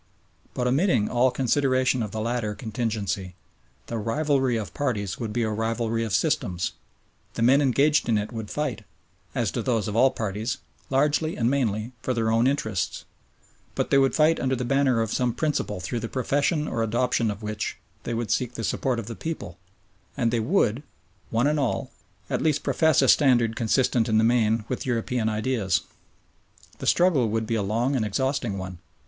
But omitting all consideration of the latter contingency, the rivalry of parties would be a rivalry of systems; the men engaged in it would fight as do those of all parties largely and mainly for their own interests, but they would fight under the banner of some principle through the profession or adoption of which they would seek the support of the people, and they would, one and all, at least profess a standard consistent in the main with European ideas. The struggle would be a long and exhausting one.